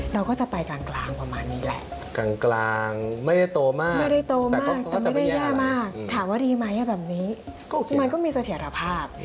เราก็จะไปกลางประมาณนี้แหละกลางไม่ได้โตมากแต่ไม่ได้แย่มากถามว่าดีมั้ยแบบนี้มันก็มีเสถียรภาพ